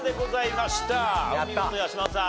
お見事八嶋さん。